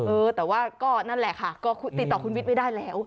เออแต่ว่าก็นั่นแหละค่ะก็ติดต่อคุณวิทย์ไม่ได้แล้ว